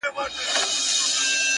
علم د عقل او شعور بنسټ دی!